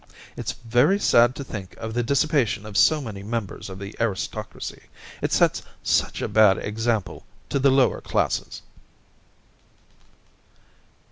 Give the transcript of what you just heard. * It's very sad to think of the dissipation of so many members of the aristocracy. It sets such a bad example to the lower classes.'